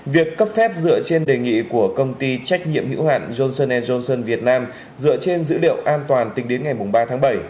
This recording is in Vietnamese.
việc cấp phép dựa trên đề nghị của công ty trách nhiệm hữu hạn johnson johnson việt nam dựa trên dữ liệu an toàn tính đến ngày ba tháng bảy